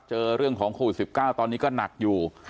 เจอเรื่องของโควิด๑๙ตอนนี้ก็หนักอยู่